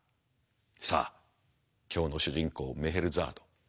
さあ今日の主人公メヘルザード。